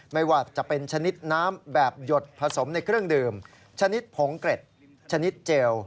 ไม่ว่าจะเป็นชนิดน้ำแบบหยดผสมในเครื่องดื่มชนิดผงเกร็ดชนิดเจล